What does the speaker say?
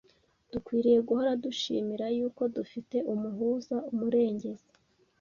dukwiriye guhora dushimira yuko dufite Umuhuza, Umurengezi,